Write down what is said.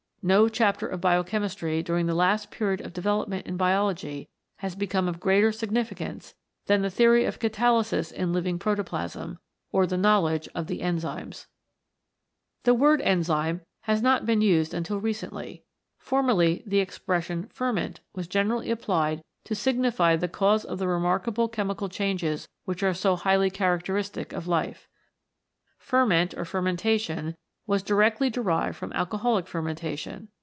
No chapter of biochemistry during the last period of development in biology has become of greater significance than the theory of catalysis in living protoplasm, or the knowledge of the Enzymes. The word Enzyme has not been used until re cently. Formerly the expression Ferment was generally applied to signify the cause of the remarkable chemical changes which are so highly characteristic of life. Ferment or Fermentation was directly derived from alcoholic fermentation.